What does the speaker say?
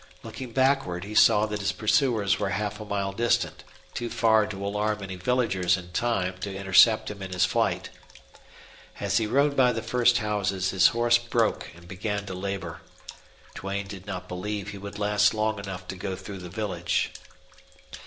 Looking backward, he saw that his pursuers were half a mile distant, too far to alarm any villagers in time to intercept him in his flight. As he rode by the first houses his horse broke and began to labor. Duane did not believe he would last long enough to go through the village.